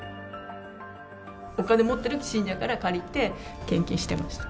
お金持っているという信者から借りて、献金してました。